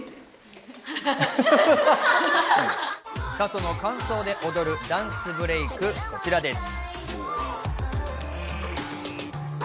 その間奏で踊るダンスブレイク、こちらです。